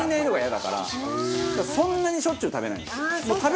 だからそんなにしょっちゅう食べないんですよ。